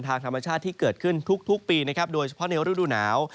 ทางธรรมชาติที่เกิดขึ้นทุกปีนะครับโดยเฉพาะในฤดูหนาว